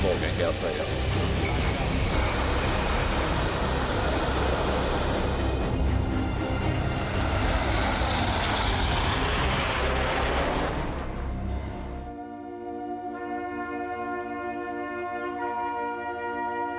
โรงพยาบาลวิทยาศาสตรี